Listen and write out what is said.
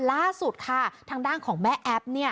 ล่าสุดค่ะทางด้านของแม่แอ๊บเนี่ย